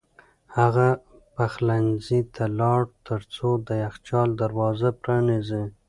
هغه پخلنځي ته لاړ ترڅو د یخچال دروازه پرانیزي.